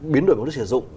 biến đổi mục đích sử dụng